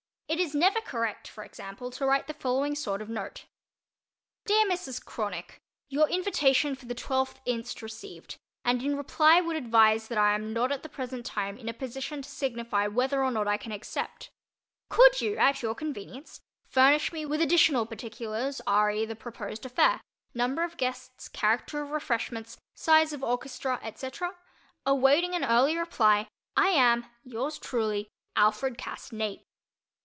It is never correct, for example, to write the following sort of note: DEAR MRS. CRONICK: Your invitation for the 12th inst. received and in reply would advise that I am not at the present time in a position to signify whether or not I can accept. Could you at your convenience furnish me with additional particulars re the proposed affair—number of guests, character of refreshments, size of orchestra, etc.? Awaiting an early reply, I am, Yours truly, ALFRED CASS NAPE.